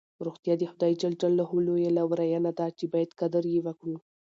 روغتیا د خدای ج لویه لورینه ده چې باید قدر یې وکړو.